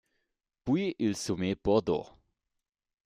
Puis il soumet Bordeaux.